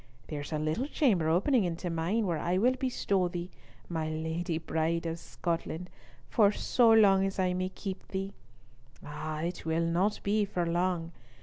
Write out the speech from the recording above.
There's a little chamber opening into mine, where I will bestow thee, my Lady Bride of Scotland, for so long as I may keep thee. Ah! it will not be for long.